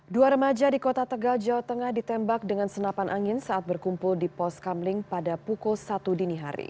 dua remaja di kota tegal jawa tengah ditembak dengan senapan angin saat berkumpul di pos kamling pada pukul satu dini hari